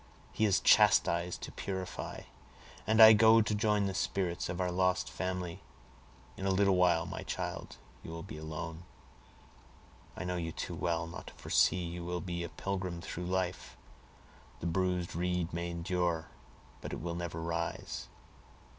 He has chastised to purify, and I go to join the spirits of our lost family. In a little while, my child, you will be alone. I know you too well not to foresee you will be a pilgrim through life. The bruised reed may endure, but it will never rise.